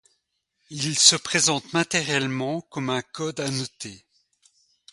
Il se présente, matériellement, comme un code annoté.